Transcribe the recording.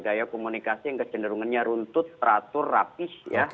gaya komunikasi yang kecenderungannya runtut teratur rapih ya